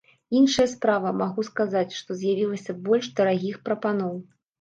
Іншая справа, магу сказаць, што з'явілася больш дарагіх прапаноў.